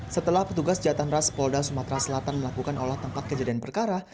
setelah petugas jatan ras polda sumatera selatan melakukan olah tempat kejadian perkara